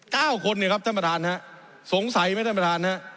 คนเนี่ยครับท่านประธานฮะสงสัยไหมท่านประธานฮะ